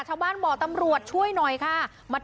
ชาวบ้านบอกตำรวจช่วยหน่อยค่ะ